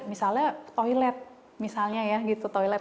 misalnya toilet misalnya ya gitu toilet